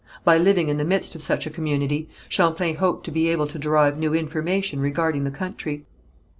By living in the midst of such a community, Champlain hoped to be able to derive new information regarding the country.